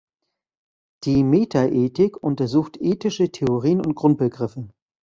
Die Metaethik untersucht ethische Theorien und Grundbegriffe.